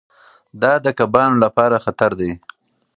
دا د کبانو لپاره خطر دی.